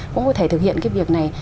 cũng có thể thực hiện cái việc này